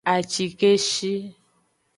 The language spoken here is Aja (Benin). Acikeshi.